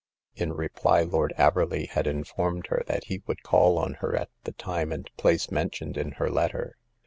In reply Lord Averley had informed her that he would call on her at the time and place mentioned in her letter.